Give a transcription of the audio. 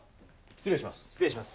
失礼します。